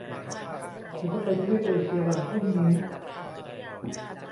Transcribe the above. ฉันจะไปทวีปเอเชียวันพรุ่งนี้